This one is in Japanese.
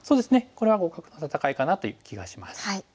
これは互角の戦いかなという気がします。